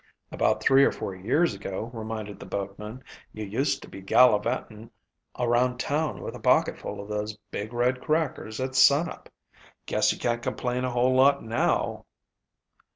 "About three or four years ago," reminded the boatman, "you used to be gallivantin' around town with a pocketful of those big, red crackers at sun up. Guess you can't complain a whole lot now."